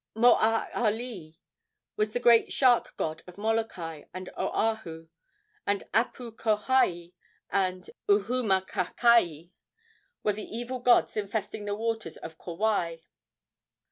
Moaalii was the great shark god of Molokai and Oahu. Apukohai and Uhumakaikai were the evil gods infesting the waters of Kauai.